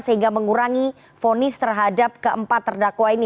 sehingga mengurangi fonis terhadap keempat terdakwa ini